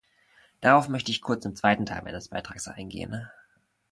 Darauf möchte ich kurz im zweiten Teil meines Beitrags eingehen.